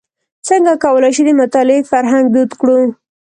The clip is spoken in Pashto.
څنګه کولای شو د مطالعې فرهنګ دود کړو.